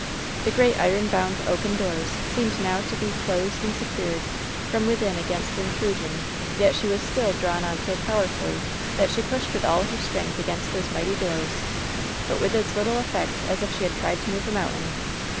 The great iron bound oaken doors seemed now to be closed and secured from within against intrusion, yet she was still drawn on so powerfully that she pushed with all her strength against those mighty doors, but with as little effect as if she had tried to move a mountain.